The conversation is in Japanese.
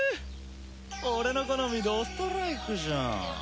俺の好みどストライクじゃん。